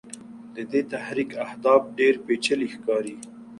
د دې تحریک اهداف ډېر پېچلي ښکاري.